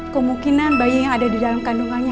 kemungkinan bayi yang ada di dalam kandungannya